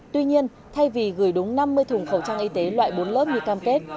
tuy nhiên thay vì gửi đúng năm mươi thùng khẩu trang y tế loại bốn lớp như cam kết